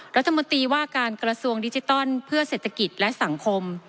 รัฐมนตรีว่าการกระทรวงดิจิตอลเพื่อเศรษฐกิจและสังคม